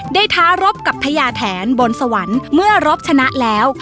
ท้ารบกับพญาแถนบนสวรรค์เมื่อรบชนะแล้ว